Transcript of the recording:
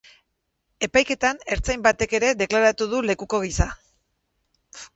Epaiketan ertzain batek ere deklaratu du lekuko gisa.